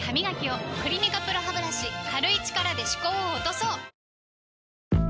「クリニカＰＲＯハブラシ」軽い力で歯垢を落とそう！